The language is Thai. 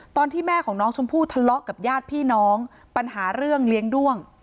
แม่ของน้องชมพู่ทะเลาะกับญาติพี่น้องปัญหาเรื่องเลี้ยงด้วง